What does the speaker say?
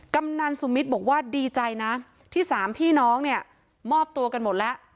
กำนันสุมิตรบอกว่าดีใจนะที่สามพี่น้องเนี่ยมอบตัวกันหมดแล้ว